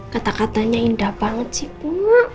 kata katanya indah banget sih bu